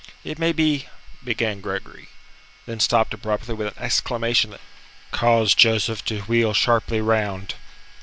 "It may be " began Gregory, then stopped abruptly with an exclamation that caused Joseph to wheel sharply round.